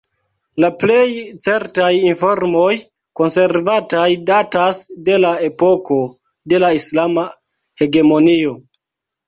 La plej certaj informoj konservataj datas de la epoko de la islama hegemonio.